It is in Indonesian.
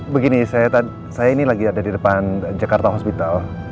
begini saya ini lagi ada di depan jakarta hospital